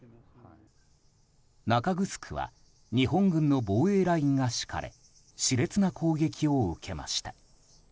中城は日本軍の防衛ラインが敷かれ熾烈な攻撃を受けました。